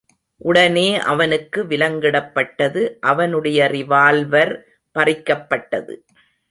உடனே அவனுக்கு விலங்கிடப்பட்டது அவனுடைய ரிவால்வர் பறிக்கப்பட்டது.